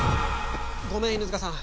ごめん犬塚さん。